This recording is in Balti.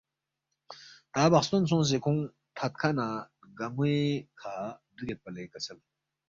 تا بخستون سونگسے کھونگ تھدکھہ نہ رگن٘وے کھہ دُوگیدپا لے کسل